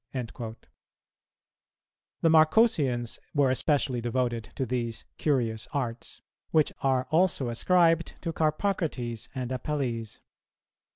"[223:3] The Marcosians were especially devoted to these "curious arts," which are also ascribed to Carpocrates and Apelles.